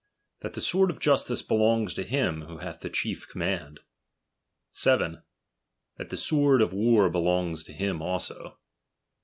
That the sword of justice belongs to him, who hath the chief command. 7 That the sword of war belongs to him also.